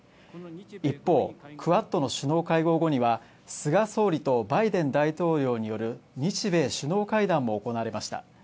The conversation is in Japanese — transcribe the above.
一方、クワッドの首脳会合後には菅総理とバイデン大統領による日米首脳会談も行われました。